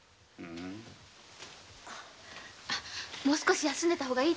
もう少し休んでた方が。